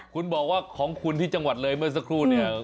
คุณบอกว่าของคุณที่จังหวัดเลยเมื่อสักครู่เนี่ย